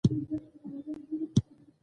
په یوه برخه کې یې داسې راغلي.